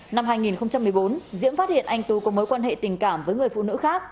năm hai nghìn một mươi bốn diễm phát hiện anh tú có mối quan hệ tình cảm với người phụ nữ khác